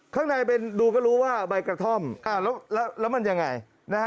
ข้างในดูก็รู้ว่าใบกระท่อมแล้วมันยังไง